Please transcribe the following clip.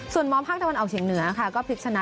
ส่วนมภาคตะวันออกเฉียงเหนือค่ะก็พลิกชนะ